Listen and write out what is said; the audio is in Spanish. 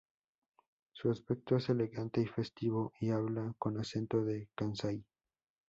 Su aspecto es elegante y festivo y habla con acento de Kansai.